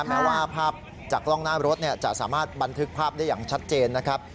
แม้ว่าภาพจากกล้องหน้ารถจะสามารถบันทึกภาพได้อย่างชัดเจนนะครับ